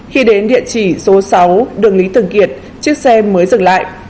khi đến địa chỉ số sáu đường lý thường kiệt chiếc xe mới dừng lại